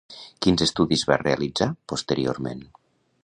Quins estudis va realitzar posteriorment?